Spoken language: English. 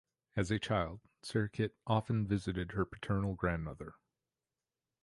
As a child, Sirikit often visited her paternal grandmother.